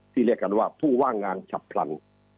เรียกกันว่าผู้ว่างงานฉับพลัน